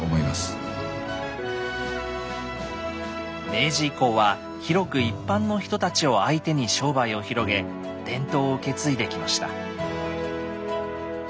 明治以降は広く一般の人たちを相手に商売を広げ伝統を受け継いできました。